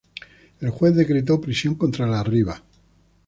El juez decretó prisión contra La Riva.